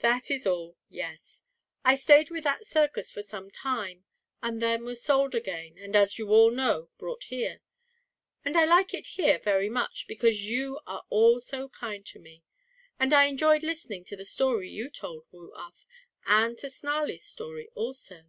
"That is all, yes. I stayed with that circus for some time, and then was sold again, and as you all know, brought here. And I like it here very much, because you are all so kind to me. And I enjoyed listening to the story you told, Woo Uff, and to Snarlie's story also."